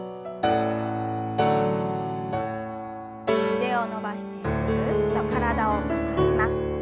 腕を伸ばしてぐるっと体を回します。